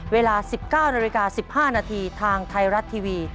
เวลา๑๙น๑๕นทางไทยรัฐทีวี